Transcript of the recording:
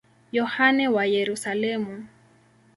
Yohane wa Yerusalemu.